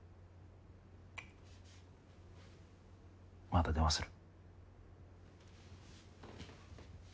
また電話する。